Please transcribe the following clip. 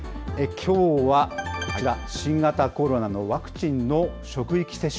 きょうはこちら、新型コロナのワクチンの職域接種。